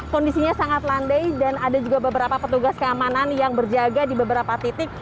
kondisinya sangat landai dan ada juga beberapa petugas keamanan yang berjaga di beberapa titik